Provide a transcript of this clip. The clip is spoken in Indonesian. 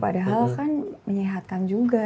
padahal kan menyehatkan juga